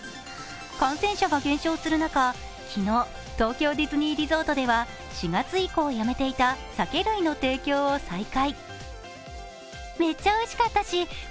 感染者が減少する中、昨日東京ディズニーリゾートでは４月以降やめていた酒類の提供を再開。